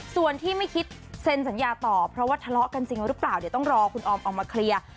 ส่วนที่ไม่คิดเซ็นสัญญาต่อเพราะว่าทะเลาะกันจริงหรือเปล่าเดี๋ยวต้องรอคุณออมออกมาเคลียร์